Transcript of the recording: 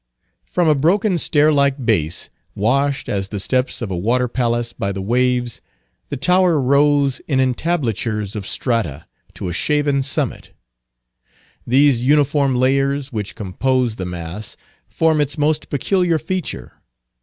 From a broken stair like base, washed, as the steps of a water palace, by the waves, the tower rose in entablatures of strata to a shaven summit. These uniform layers, which compose the mass, form its most peculiar feature.